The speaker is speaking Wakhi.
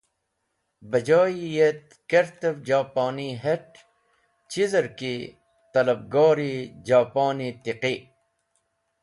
Bajoy-e yet kertev Joponi het̃, chizer ki talabgori Joponi tiqi.